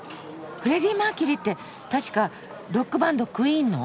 フレディ・マーキュリーって確かロックバンドクイーンの？